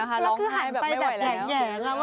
บีบีกลัวจริงนะคะแล้วคือหันไปแบบแหล่งแหย่แล้ว